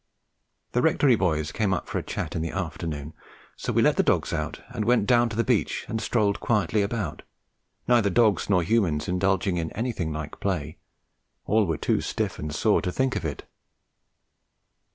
The Rectory boys came up for a chat in the afternoon, so we let the dogs out and went down to the beach and strolled quietly about, neither dogs nor humans indulging in anything like play all were too stiff and sore to think of it.